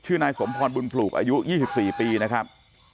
นายสมพรบุญปลูกอายุ๒๔ปีนะครับ